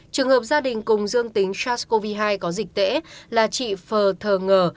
trường hợp gia đình cùng dương tính sars cov hai có dịch tễ là chị phờ thờ ngờ